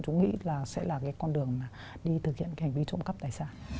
chúng nghĩ sẽ là con đường đi thực hiện hành vi trộm cắp đấy